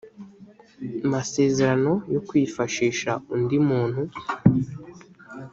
masezerano yo kwifashisha undi muntu